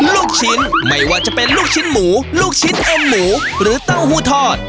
ลูกชิ้นไม่ว่าจะเป็นลูกชิ้นหมูลูกชิ้นเอ็มหมูหรือเต้าหู้ทอด